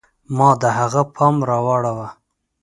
ما د هغه پام را واړوه.